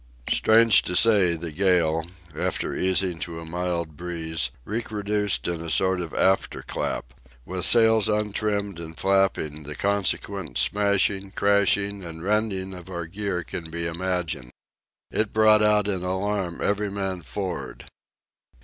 Strange to say, the gale, after easing to a mild breeze, recrudesced in a sort of after clap. With sails untrimmed and flapping, the consequent smashing, crashing, and rending of our gear can be imagined. It brought out in alarm every man for'ard.